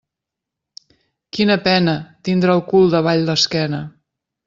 Quina pena, tindre el cul davall l'esquena.